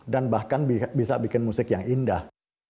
dan bahkan bisa bikin musik yang indah